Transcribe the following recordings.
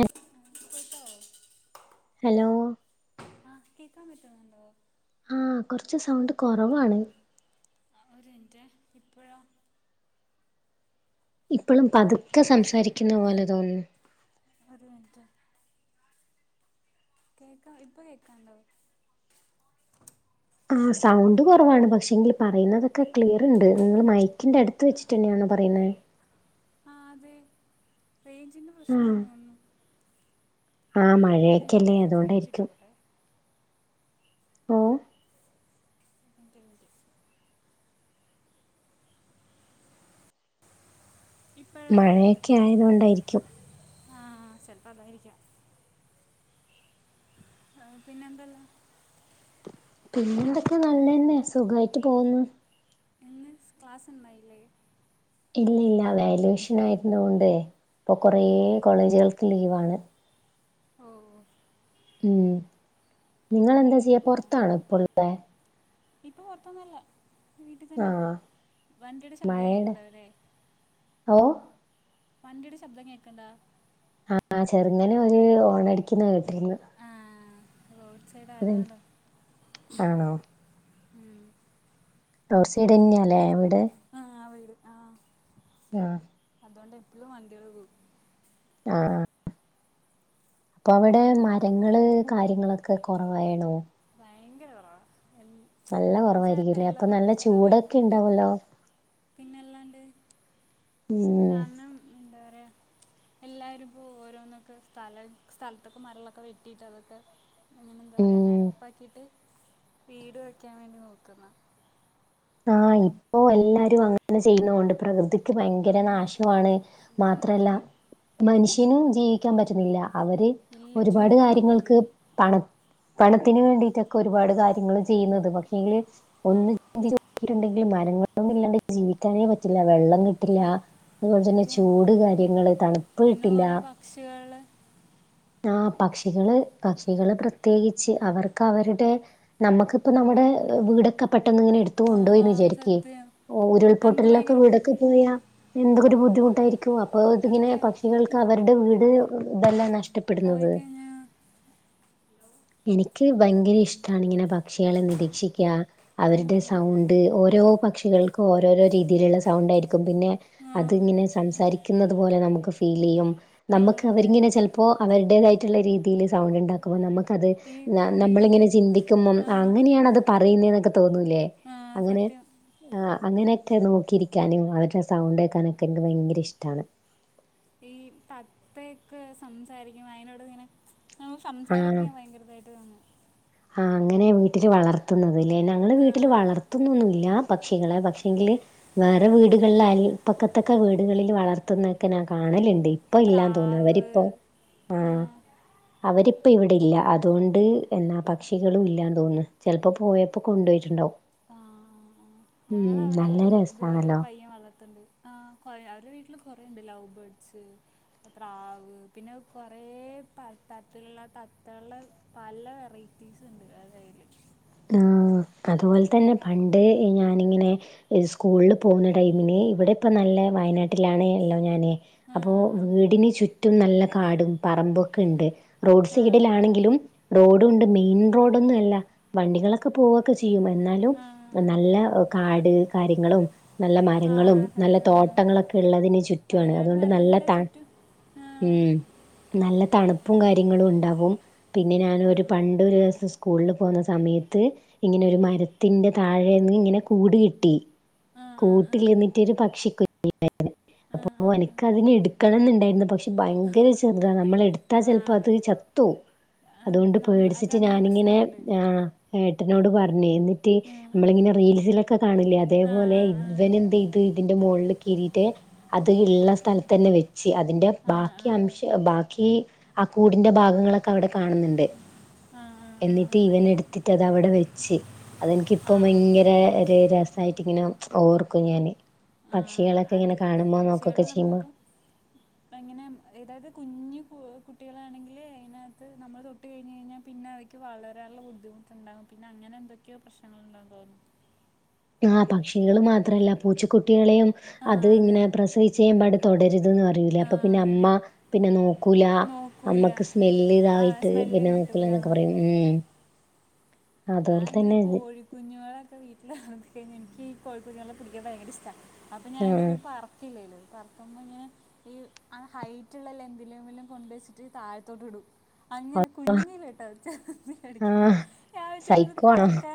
ഏഹ് ആഹ് കേക്കാമോ? ഹലോ ആഹ് കേക്കാൻ പറ്റുന്നുണ്ടോ? ആഹ് കുറച്ച് സൗണ്ട് കുറവാണ്. ഒരു മിനിറ്റ്, ഇപ്പോഴാ? ഇപ്പോളും പതുക്കെ സംസാരിക്കുന്ന പോലെ തോന്നുന്നു. ഒരു മിനിറ്റ്. കേക്കാം, ഇപ്പൊ കേക്കാണ്ടാവോ? ആഹ് സൗണ്ട് കുറവാണ് പക്ഷെ എങ്കിൽ പറയുന്നതൊക്കെ ക്ലിയർ ഉണ്ട്, നിങ്ങൾ മൈക്കിന്റെ അടുത്ത് വെച്ച്. തന്നെയാണോ പറയുന്ന? ആഹ് അതെ റേഞ്ചിന്റെ പ്രശ്നം ആഹ് ആണെന്ന് തോന്നുന്നു. ആഹ് ഒരു മഴയൊക്കെ അല്ലേ മിനിറ്റ് ഞാൻ ഫൈവ് ജി അതുകൊണ്ടായിരിക്കും. ഇട്ടോട്ടെ ഓഹ് റ്റ് ഇപ്പം മഴയൊക്കെ ആയതുകൊണ്ടായിരിക്കും. ആഹ് ചെലപ്പോ അതായിരിക്കാം. ആഹ് പിന്നെ എന്തുള്ള. പിന്നെ എന്തൊക്കെ നല്ല തന്നെയാ സുഖമായിട്ട് പോകുന്നു. ഇന്ന് ക്ലാസ്സ്‌ ഉണ്ടായില്ലേ? ഇല്ല ഇല്ല വാലുവേഷൻ ആയിരുന്നു കൊണ്ട് ഇപ്പൊ ഓ കുറെ കോളേജുകൾക്ക് ലീവാണ്. ഓ ഉം നിങ്ങൾ എന്താ ചെയ്യാ പുറത്താണോ ഇപ്പ ഉള്ള. ഇപ്പൊ പൊറത്തൊന്നും അല്ല. വീട്ടിൽ തന്നെ ആഹ് വണ്ടിയുടെ ശബ്ദം മഴയുടെ കേൾക്കുന്നുണ്ടാവും അല്ലേ? ഓഹ് വണ്ടിയുടെ ശബ്ദം കേക്കുണ്ടോ? ആഹ് ചെറുങ്ങനെ ഒരു ഹോൺ അടിക്കുന്ന കേട്ടിരുന്നു. ആ റോഡ് സൈഡ് അത് ആയതുകൊണ്ടോ, ആണോ ഉം. റോഡ് സൈഡ് തന്നെയല്ലേ വീട്. ആഹ് വീട് ആഹ്. ആഹ് അതുകൊണ്ട് എപ്പോഴും അന്റെ. ആഹ് അപ്പൊ അവിടെ പിന്നെ മരങ്ങള് കാര്യങ്ങളൊക്കെ. ഒക്കെ കുറവണോ? ഭയങ്കര കുറവാ എന്താ,? നല്ല കുറവായിരിക്കല്ലേ അപ്പൊ നല്ല ചൂടൊക്കെ വെട്ടി ഉണ്ടാവല്ലോ? പിന്നെ അല്ലാണ്ട്. ഉം കാരണം എന്താ പറയാ. എല്ലാവർക്കും ഓരോന്ന് ഒക്കെ സ്ഥല സ്ഥലത്തൊക്കെ മരങ്ങൾ ഒക്കെ വെട്ടിയിട്ട് അതൊക്കെ. അങ്ങനെ എന്താ പറയുക ഉം നിരപ്പാക്കിയിട്ട് വീട് വയ്ക്കാൻ വേണ്ടി നോക്കുന്ന. ആഹ് ഇപ്പോ എല്ലാരും അങ്ങനെ ചെയ്യുന്ന കൊണ്ട് പ്രകൃതി. ക്ക് ആ ഭയങ്കര നാശമാണ് മാത്രല്ല. സത്യം മനുഷ്യനും ജീവിക്കാൻ പറ്റുന്നില്ല, അവര് ഇല്ല ഒരുപാട് ചൂട് കാര്യങ്ങൾക്ക്. കൂടും പണം പണത്തിന് വേണ്ടിയിട്ട് ഒക്കെ ഒരുപാട് കാര്യങ്ങൾ ചെയ്യുന്നത്, പക്ഷേ എങ്കിൽ ആ ഒന്ന്. [inaudible] ഉണ്ടെങ്കിൽ മരങ്ങൾ ഇല്ലെങ്കിൽ ജീവിക്കാനേ പറ്റില്ല, വെള്ളം കി ഇല്ല അതുപോലെ തന്നെ സത്യം ചൂട് കാര്യങ്ങള് തണുപ്പ് പിന്നെ കിട്ടില്ല. കുറേ പക്ഷികൾ ആഹ് പക്ഷികള് പക്ഷികള് പ്രത്യേകിച്ച് അവർക്ക് അവരുടെ. നമുക്ക് ഇപ്പം നമ്മുടെ വീട് ഒക്കെ പെട്ടെന്ന് ഇങ്ങനെ ഇടി ഇത് ഉണ്ടെന്ന് വിചാരിക്ക് സത്യം നമുക്ക് ഉരുൾപൊട്ടലിൽ ഭയങ്കര വീട് ഒക്കെ ബുദ്ധി പോയാൽ എന്തോരം ബുദ്ധിമുട്ടായിരിക്കും. ക്ക് അപ്പൊ ഇത് ഇങ്ങനെ സത്യം പക്ഷികൾക്ക് അവരുടെ വീട് ഇതെല്ലാം പോയി നഷ്ടപ്പെടുന്നത്. കഴിഞ്ഞാൽ എനിക്ക് ഭയങ്കര ഇഷ്ടാണ് ഇങ്ങനെ പക്ഷികളെ നിരീക്ഷിക്കാ അവരുടെ സത്യം സൗ സൗണ്ട് ഓരോ പക്ഷികൾക്കും ഓരോരോ രീതിയിലുള്ള സൗണ്ടായിരിക്കും, പിന്നെ. ആ, അത് ഇങ്ങനെ സംസാരിക്കുന്നത് പോലെ നമുക്ക് ഫീൽ ചെയ്യും. നമുക്ക് അവര് അതെ ഇങ്ങനെ ചെലപ്പോ അവരുടേതായിട്ടുള്ള രീതിയില് സൗണ്ട് ഉണ്ടാക്കുമ്പോ നമുക്ക് അത്. ഈ ഞനമ്മളിങ്ങനെ ചിന്തിക്കുമ്മം ഞാൻ നമ്മള് കുയില് ഇങ്ങനെ ചിന്തിക്കുന്നു ആ, അങ്ങനെയാണ് അത് പറയുന്നു എന്നൊക്കെ തോന്നൂലേ, ആ, അങ്ങനെ. സത്യം ആഹ് അങ്ങനെയൊക്കെ ആഹ് അങ്ങനൊക്കെ നോക്കിയിരിക്കാനും അവരുടെ സൗണ്ട് കേക്കാനൊക്കെ എനിക്ക് ഭയങ്കര ഇഷ്ടാണ്. ഈ തത്ത ഒക്കെ സംസാരിക്കുമ്പോൾ അയിനോട് ഇങ്ങനെ. നമ്മൾ സംസാരിപ്പിക്കാൻ ഭയങ്കര ഇതായിട്ട് തോന്നും. ആഹ് അങ്ങനെ വീട്ടില് വളർത്തുന്നത് അല്ലേ, ഞങ്ങളെ ആ, വീട്ടില് വളർത്തുന്നൊന്നുല്ല. പക്ഷികളെ പക്ഷേ എങ്കിലേ. വേറെ വീടുകളിൽ അയൽപക്കത്ത് ഒക്കെ വീടുകളിൽ വളർത്തുന്നൊക്കെ ഞാൻ കാണലുണ്ട്. ഇപ്പൊ ഇല്ലാ തോന്നുന്നു, പ്രാവ് അവരിപ്പോ. ആ ആഹ് അവരിപ്പം ഇവിടെയില്ല അതോണ്ട് എന്നാ പ പക്ഷികളും ഇല്ലാന്ന് തോന്നുന്നു ചെലപ്പോ പോയപ്പോ കൊണ്ടോയിട്ടുണ്ടാവും. ഞങ്ങളുടെ അവിടെ നല്ല ഒരു ഇതുപോലൊരു രസാണല്ലോ പയ്യൻ വളർത്തുണ്ട്. ആഹ് കൊറെ അവരുടെ വീട്ടില് കൊറേയുണ്ട്, ലൗവ് ബേർഡ്സ്. പ്രാവ് പിന്നെ കൊറേ ത തരത്തിലുള്ള തത്തയുള്ള. പല വെറൈറ്റീസുണ്ട് ആഹ് കയ്യില്. ആഹ് അതുപോലെ തന്നെ പണ്ട് ഞാൻ ഇങ്ങനെ. ഈ സ്കൂളെ പോവുന്ന ടൈമില് ഇവിടെ ഒക്കെ നല്ല വയനാട്ടിലാണ് ഉള്ളത് ഞാന്. ആ അപ്പോ വീടിന് ചുറ്റും നല്ല കാടും പറമ്പ് ഒക്കെയുണ്ട്, റോഡ് ആ ആ സൈഡിലാണെങ്കിലും. റോഡുണ്ട് മെയിൻ റോഡ് ഒന്നുമല്ല. വണ്ടികളൊക്കെ പോവൊക്കെ ചെയ്യും, എന്നാലും ആ ആ നല്ല കാട് കാര്യങ്ങളും. നല്ല ആ ആ മരങ്ങളും, നല്ല സത്യം ആ തോട്ടങ്ങളൊക്കെ ഉള്ളതിനു ചുറ്റും. റ്റാണ് വയനാട് അതുകൊണ്ട് നല്ല ത ചുറ്റും ആ ഉം. നല്ല തണുപ്പും കാര്യങ്ങളുണ്ടാവും, പിന്നെ ഞാൻ ആ ഒരു പണ്ട് ഒരു ദിവസം സ്കൂളില് പോവുന്ന സ സമയത്ത് ഇങ്ങനൊരു മരത്തിന്റെ താഴേന്ന് ഇങ്ങനെ കൂട് കിട്ടി. ആ ആ ആ ആ കൂട്ടിലിരുന്നിട്ട് ഒരു പക്ഷി കുഞ്ഞ് ആണ്. ആ ആ അപ്പോ ആ എനിക്ക് അതിന് എടുക്കണേന്ന് ഉണ്ടായിരുന്നു പക്ഷെ ഭയങ്കര ചെറുതാണ് നമ്മള് എടുത്താൽ ആ ചെലപ്പോ അത് ചത്തുപോവും. ആ, അതോണ്ട് നമ്മ പേടിച്ചിട്ട് അതങ്ങനെ ഞാനിങ്ങനെ പ്രശ്നമുണ്ട് ആഹ് ഏട്ടനോട് പറഞ്ഞു എന്നിട്ട്. ഉം, ഉം. നമ്മളിങ്ങനെ റീൽസിലൊക്കെ കാണില്ലേ ആ, അതേപോലെ ആ, ആ. ഇവന് എന്തുചെയ്തു ഇതിന്റെ മോളിൽ കേറിട്ട്. അത് ഇള്ള സ്ഥലത്തന്നെ വെച്ച്. അതിന്റെ ആ, ആ, ബാക്കി ആ. അംശ ബാക്കി ആ കൂടിന്റെ ഭാഗങ്ങളൊക്കെ അവ്ടെ കാണുന്നുണ്ട്. ആഹ് ആഹ് ആഹ് ടീവനെടുത്തിട്ടത് തവടെ വെച്ച് അതെനിക്കിപ്പോ ഭയങ്കര ഒരു രസായിട്ട് ഇങ്ങനെ ഓർക്കും ഞാന് ആ, പക്ഷികള ഇങ്ങനെ അത് കാണുമോ നോക്കൊക്കെ പക്ഷികളെ ചെയ്യുമ്പോ അം ഏതായത് കുഞ്ഞു കു കുട്ടികളാണെങ്കില് അയിനകത്ത് നമ്മള് തൊട്ട് കഴിഞ്ഞഴിഞ്ഞാ പിന്നെ അ ക്ക് വളരാന്ള്ള ബുദ്ധിമുട്ടുണ്ടാകും പിന്നെ അങ്ങനെന്തൊക്കെയോ പ്രശ്നങ്ങൾ ഉണ്ടാവു തോന്നുണു. ആഹ് പക്ഷികൾ മാത്രല്ല പൂച്ചക്കുട്ടികളെയും ആ അത് അതെ ഇങ്ങനെ പ്രസവി ചെയ്യുമ്പട് തൊടരുത് ന്ന് പറയൂലെ. ആ അപ്പൊ പിന്നെ അതെ അമ്മ പിന്നെ നോക്കൂലാ. നോക്കൂല അമ്മക്ക് സ്മെല്ല് ആ തായിട്ട് സ്മെല്ല് പിന്നെ കിട്ടൂല നോക്കുലന്നൊക്കെ എന്ന് പറയും. ഉം അതുപോലെ തന്നെ ഇത് കുഞ്ഞുങ്ങളൊെക്കെ വീട്ടില് [unintelligible] കഴിഞ്ഞാ ഇൻക്ക് ഈ കോഴിക്കുഞ്ഞുങ്ങളെ പിടിക്കാൻ ഭയങ്കര ഇഷ്ടാ അപ്പം ഞാൻ്റെത് ആഹ് പറ ക്കില്ലേലോ പററക്കുമ്പോ ഇങ്ങനെ ഈ ആഹ് ഹൈറ്റുള്ള ലെന്തിലെമേലും കൊണ്ടയ്ച്ചിട്ട് താഴത്തോട്ട് ഇടും അങ്ങനെ കുഞ്ഞിലിട്ട ച അടിക്കുമ്പ ആഹ് [unintelligible] സൈക്കോ ആണോ പറക്കാ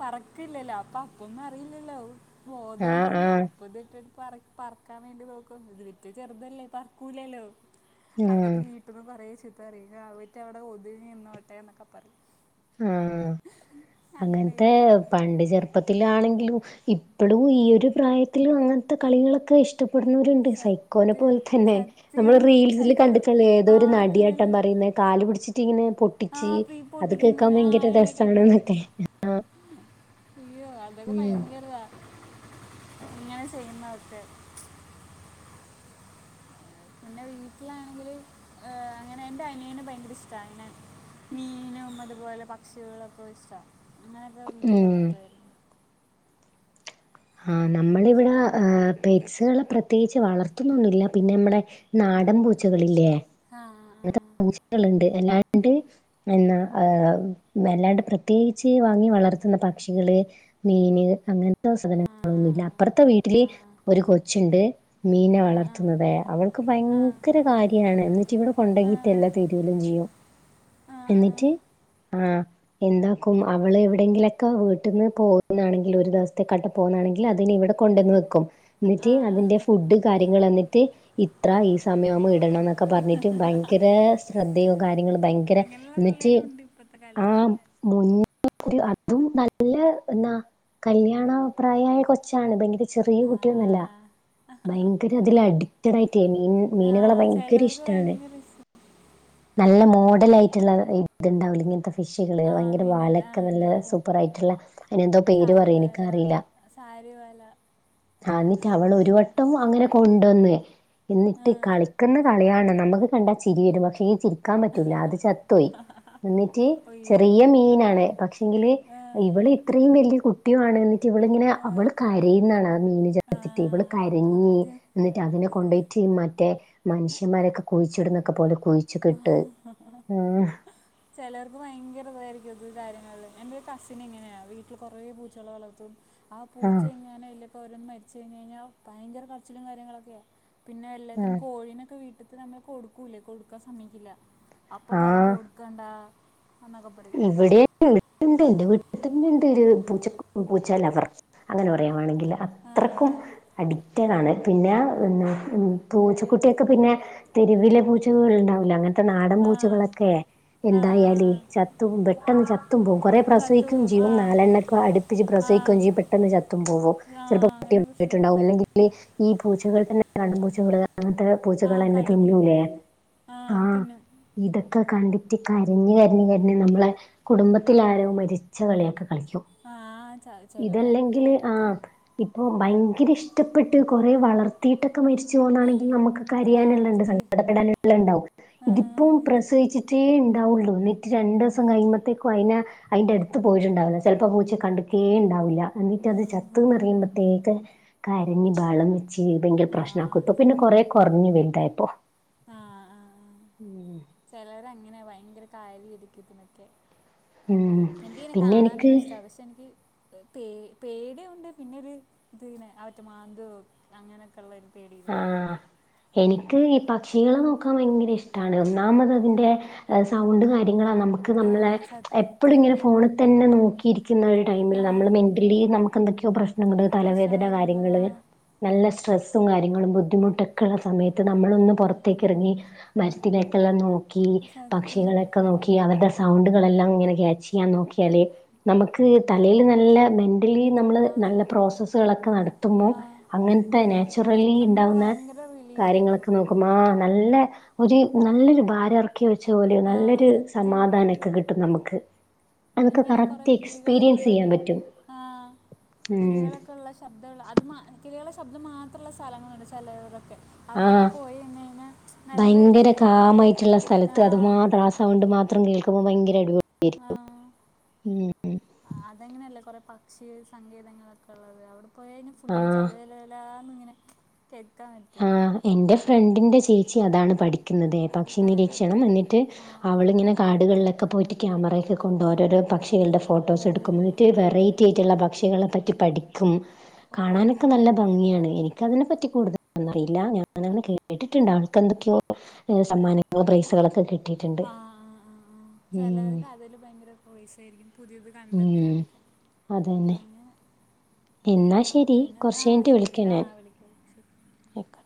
പറക്കില്ലല്ലോ അപ്പ അപ്പൊന്നും അറിയില്ലല്ലോ ബോധോന്നു ആഹ് ഇല്ല ആഹ് അപ്പ ഇത്ട്ട്ട്ട് പറ പറക്കാൻ വേണ്ടി നോക്കും ഇത് വിറ്റ ചെറുതല്ലേ പറക്കൂല്ലല്ലോ എന്നട്ട് ആഹ് വീ കൊറേ ചീത്ത അറി അവറ്റ അവിടെ ഒതുങ്ങി നിന്നോട്ടെ എന്നൊക്കെ പറിം ആഹ് അങ്ങനെ അങ്ങൻത്തെ എഴുതിട്ട് പണ്ട് ചെറു പ്പത്തിലാണെങ്കിലും ഇപ്പോളും ഈ ഒരു പ്രായത്തിലും അങ്ങനത്തെ കളികളൊക്കെ ഇഷ് ഇഷ്ടപ്പെടുന്നവരുണ്ട് സൈക്കോനെ സത്യം പോലെ തന്നെ നമ്മള് സത്യം റീൽസിൽ സൈക്കോ കണ്ടിട്ടുള്ള ആ ഏതൊരു പിന്നല്ല നടിയാട്ടം പറയുന്ന കാല് പിടിച്ചിട്ടിങ്ങനെ പൊ ആ ട്ടിച്ച് പീ അത് കേക്കാൻ പൊട്ടിക്കുന്നത് ആ ഭയങ്കര ഞാൻ കേട്ടായിരുന്നു രസണെന്നൊക്കെ ആഹ് അയ്യോ അതൊക്കെ ഭയങ്കരവാ ഇങ്ങാണ് ചെയ്യുന്നതക്കെ എന്നെ വീട്ടിലാണെങ്കിൽ ഏഹ് അങ്ങനെ എന്റെറെ അനിയനെ ഭയങ്കര ഇഷ്ട അന മീനും അതുപോലെ പക്ഷികളൊക്കെ ഇഷ്ട അങ്ങനെയൊക്കെ വീട്ടിൽ ഉം വളർത്തുആയിരുന്നു ആഹ് അത് നമ്മളിവിടെ ശരി. ഏഹ് പെറ്റ്സുകളെ പ്രത്യേകിച്ച് വളർത്തുന്നൊന്നുമില്ല പിന്നെ നമ്മുടെ നാടൻ പൂച്ചകളില്ലേ ആഹ് അങ്ങൻത്തെ പൂജകളുണ്ട് അല്ലാണ്ട് എന്നാ ആ വല്ലാണ്ട് പ്രത്യേകിച്ച് വാങ്ങി വളർത്തുന്ന പക്ഷികള് മീന് അങ്ങൻത്തെ ആ സധനങ്ങളൊന്നുമില്ല ആ അപ്പറത്തെ ആ വീട്ടില് ഒരു ആ കൊച്ചുണ്ട് മീനെ ആ വളർത്തുന്നത് അവൾക്ക് ആ ആ ഭയങ്കര കാര്യാണ് എന്നിട്ട് ഇവിടെ ഉണ്ടങ്കി ആ ആ തെല്ലാ തെരുലും ചെയ്യും ആ ആ എന്നിട്ട് ആഹ് എന്താക്കും അവള് എവിടെങ്കിലൊക്കെ വീട്ടിന്ന് പോകുന്നാണെങ്കിൽ ഒരു ദിവസത്തെക്കാട്ട് പോകുന്നാണെങ്കിൽ അതിന് ഇവിടെ കൊണ്ടന്ന് വീട്ടിൽ വെക്കും ആ എന്നിട്ട് ആ അതിന്റെ ഫുഡ് കാര്യങ്ങൾ എന്നിട്ട് ഇത്ര ഈ സമയം ഇടണം ന്നൊക്കെ പറഞ്ഞി ഭയങ്കര ശ്രദ്ധയോ കാര്യങ്ങളോ ഭയങ്കര അങ്ങനെയുള്ള എന്നിട്ട് പിള്ളേരും ഉണ്ട് ഇപ്പോഴത്തെ കാലത്ത് ആഹ് [unintelligible] അതും നല്ല എന്നാ കല്യാണ പ്രായായ കൊച്ചാണ് ഭങ്ക ചെറിയ ആ കുട്ടിയൊന്നല്ല ഭയങ്കര അതില് അഡിക്റ്റഡ ചെ- ആയിട്ടേ മീ ആ, മീനുകളെ ഭയങ്കര ഇഷ് ചിലവർക്ക് ടാണ് ഭയങ്കര ഇഷ്ടം നല്ല മോഡലായിട്ടുള്ള ഇ ഇത്ണ്ടാവ് ലെ ഇങ്ങൻത്തെ ഫിഷുകള് ആ ഭയങ്കര മീനുകൾ ആ വാലൊക്കെ നല്ല ഉണ്ടായിരിക്കും സൂപ്പർ ആയിട്ടുള്ള അതിന് എന്തോ പേര് പറയും എനിക്കറിയില്ല സാരീ വാല ആഹ് എന്നിട്ട് അവള് ഒരുവട്ടം അങ്ങനെ കൊണ്ടുന്ന് ആ, എന്നിട്ട് കളിക്കുന്ന കളിയാണ് നമുക്ക് കണ്ടാൽ ചിരി വരും പക്ഷെ ഈ ചിരി നിക്കാൻ പറ്റൂല അത് ചത്തോയി എന്നിട്ട് അയ്യോ ചെറിയ മീനാണ് പക്ഷെങ്കില് ആ, ഇവള് ഇത്രയും വലിയ കുട്ടിയാണെന്ന് ഇവളിങ്ങനെ ആ, അവള് കരയുന്നാണ് ആഹ് മീന് ആ, ചത്തിട്ട് ഇവള് കരഞ്ഞ് സത്യം എന്നിട്ട് അതിനെ കൊണ്ടോയിട്ട് മറ്റേ മനുഷ്യന്മാരൊക്കെ കുഴിച്ചിടുന്നൊക്കെ പോലെ കുഴിച്ചു ഒക്കെ ഇട്ട് ആഹ് ചെലോർക്ക് ഭയങ്കര ഇതായിരിക്കും ഇത് കാര്യങ്ങളില് എന്റെ ഒരു കസിന് ഇങ്ങനെയാ വീട്ടില് കുറെ പൂച്ചകളെ വളർത്തും ആഹ് പൂച്ച എങ്ങാനും അയിലേക്കെ ഓരോന്ന് മരിച്ച് കഴിഞ്ഞ് കഴിഞ്ഞാ ഭയങ്കര കരച്ചിലും കാര്യങ്ങളൊക്കെയാ പിന്നെ ആ എല്ലാത്തിനും കോഴീനൊക്കെ വീട്ടത്ത് നമ്മള് കൊടുക്കൂല്ലേ കൊടുക്കാൻ സമ്മയിക്കില്ല അപ്പൊ പറയും ആഹ് കൊടു ക്കണ്ടാ എന്നൊക്കെ പറയും ഇവിടെ ഇവിടെണ്ട് എന്റെ വീട്ടിൽ തന്നെ ഉണ്ട് പൂച്ചക്ക പൂച്ചാ ലവർ അങ്ങനെ പറയുവാണെങ്കില് ആ അത്രക്കും ആ അഡിക്റ്റഡ് ആണ് പിന്നെ പൂച്ചക്കുട്ടിയൊക്കെ പിന്നെ തെരുവിലെ പൂച്ചകളുണ്ടാവില്ലെ അങ്ങനെ ത്തെ നാടൻ ആ പൂച്ചകളൊക്കെ ആ എന്തായാല് ആ ആ ചത്തും പെട്ടെന്ന് ചത്തും പോകും കൊറെ പ്രസവിക്കും ചത്തുപോകും ആ ചെയ്യും നാലെണ്ണൊക്കെ അടുപ്പിച്ച് ആ പ്രസവിക്കും ചെയ്യും പെട്ടെന്ന് ചത്തും പോവും ആ ചെലപ്പൊ പട്ടി അങ്ങനെ കൊന്നിട്ടുണ്ടാകും പ്രശ്നമുണ്ട് അല്ലെങ്കില് ഈ പൂച്ചകൾ തന്നെ കാടൻപൂച്ചകള് അത് ആ പൂച്ചകളെന്നെ കടിക്കും തിന്നൂലേ ആ ആഹ് തിന്നും ഇതൊക്കെ കണ്ടിട്ട് കരഞ്ഞ് കരഞ്ഞ് കര ഞ്ഞ് നമ്മളെ കുടുംബത്തിലാരോ മരിച്ച കളിയൊക്കെ കളിക്കും ആഹ് ചെലോരങ്ങനെയത്രയും ഇപ്പോ ഭയങ്കരിഷ്ടപ്പെട്ട് കൊറേ വളർത്തിയിട്ടൊക്കെ മരിച്ചു പോകുന്നാണെങ്കിൽ നമക്ക് അ ആ കരയാനുള്ള്ണ്ട് അവർക്ക് സങ്കടപ്പെടാനുള്ളണ്ടാവും ഇതിപ്പോ ഇത് പ്രസവിച്ചിട്ടേ ഇണ്ടാവുള്ളൂ രണ്ട് ദിവസം കയ്യുമ്പത്തേക്കും അയിനെ അയിന്റടുത്ത് പോയിട്ടുണ്ടാവില്ല ചെലപ്പൊ ആഹ് പൂച്ചയെ കണ്ടിക്കേ ഇണ്ടാവുല്ല എന്നിട്ടത് ചത്തൂന്നറിയുമ്പത്തേക്ക് കരഞ്ഞ് ബഹളം വെച്ച് ഭയങ്കര ആ പ്രശ്നാക്കും ഇപ്പൊപ്പിന്നെ കൊറേ കൊറഞ്ഞു വലുതായപ്പൊ ആഹ് ആഹ് ആഹ് ചെലരങ്ങനെയാ ഭയങ്കര കാര്യായിരിക്കും ഇതിനൊക്കെ ഉം എനിക്കയിനെ പിന്നെ എനിക്ക് കാണാനൊക്കിഷ്ടാ പക്ഷെനിക്ക് പേ പേടിയാക്ണ്ട് പിന്നൊരു ഇത്ങ്ങനെ അവറ്റ മാന്തുവോ അങ്ങനൊക്കുള്ളൊരു പേടി ആഹ് എനിക്ക് ഈ പക്ഷികളെ നോക്കാൻ ഭയങ്കര ഇഷ്ടാണ് ഒന്നാമതതിന്റെ സൗണ്ട് കാര്യങ്ങളാ നമുക്ക് ആ നമ്മളെ സത്യം എപ്പളിങ്ങനെ ഫോണിത്തന്നെ നോക്കിയിരിക്കുന്ന ഒരു ടൈമിൽ ആ നമ്മള് മെന്റലി നമുക്കെന്തൊക്കെയോ ആ, പ്രശ്നങ്ങള് തലവേദന പ്രശ്നകരമുള്ള ആ കാര്യങ്ങള് നല്ല സ്ട്രെസ്സും കാര്യ ര്യങ്ങളും ബുദ്ധിമുട്ടൊക്കെയുള്ള സമയത്ത് നമ്മളൊന്ന് പൊറത്തേക്കെറങ്ങി മരത്തിലേക്കെല്ലാം നോ ക്കി സത്യം പക്ഷികളെയൊക്കെ നോക്കി അവരുടെ സൗണ്ടുകളെല്ലാം ഇങ്ങനെ ക്യാച്ചെയ്യാൻ നോക്കിയാലേ നമ്മക്ക് തലയില് നല്ല മെന്റലി നമ്മള് ആ നല്ല പ്രോസ്സസ്സ്കളൊക്കെ നടത്തുമ്പൊ ആ അങ്ങനത്തെ നാച്ചുറ ലി നമുക്ക് ഇണ്ടാവുന്ന ഭയങ്കര റിലീഫ് കിട്ടും കാര്യങ്ങളൊക്കെ നോക്കുമ്പാ നല്ല ഒര് നല്ലൊരു ഭാരെറ ക്കി വെച്ചപോലെയോ ആ നല്ലൊരു സത്യം സമാധാനൊക്കെ കിട്ടും നമ്ക്ക് ഈയിങ്ങനെ കൊറേ കിളികളൊക്കൊള്ളെ പറ്റും ആഹ് ഉം കിളികളൊക്കുള്ള ശ ബ്ദങ്ങള് അത് മാ കിളികളെ ശബ്ദം മാത്രുള്ള സ്ഥലങ്ങള്ണ്ട് ചെലരതൊക്കെ ആ അവിടൊക്കെ പോയയിഞ്ഞ്കയിഞ്ഞാ ഭയങ്കര നല്ലായിരിക്കും കാമായിട്ടുള്ള സ്ഥലത്ത് അത് ആഹ് മാത്രം ആ സൗണ്ട് മാത്രം കേൾക്കുമ്പൊ ഭയങ്കരടിപൊളി ആഹ് അതങ്ങനെയല്ലേ കൊറേ പക്ഷി സങ്കേതങ്ങളൊക്കുള്ളത് അവിടെ പോയയിനാ ഫുള്ള് ആഹ് ചെല ചെല ചെ ലാന്ന്ങ്ങനെ കേൾക്കാൻ പറ്റും എൻ്റെ ഫ്രണ്ടിൻ്റെ ചേച്ചി അതാണ് പഠി ക്കുന്നതേ ആ പക്ഷിനിരീക്ഷണം വന്നിട്ട് ആ ആ ആ അവളിങ്ങനെ കാടുകളിലൊക്കെ പോയിട്ട് ക്യാമറയൊക്കെ കൊണ്ട് ഓരോരോ പക്ഷികളുടെ ഓ ഫോട്ടോസെട്ക്കും ഇന്നിറ്റ് വെറൈറ്റിയായി ട്ടുള്ള പക്ഷികളെ പറ്റി പഠിക്കും കാണാനൊക്കെ ഓ നല്ല ഭംഗിയാണ് എനിക്കതിനെപ്പറ്റി കൂടുത ലൊന്നറിയില്ല ഞാനങ്ങനെ കേട്ടിട്ട്ണ്ട് അവൾക്കെന്തൊക്കയോ സമ്മാനങ്ങളോ പ്രൈസുകളൊക്കെ കി ആഹ് ആഹ് ആഹ് ആഹ് ചെലർക്ക് അതില് ഭയങ്കര ക്രേസായിരിക്കും പുതിയത് ഉം കണ്ടെത്താനൊക്കെ അതന്നെ അങ്ങനെ ആ എന്നാ ശെരി പിന്നെ ആ കൊറച്ച് കഴിഞ്ഞിട്ട് ശരി വിളിക്കാം ആ ഞാൻ വിളിക്കാം ശരി ആയിക്കോട്ടെ.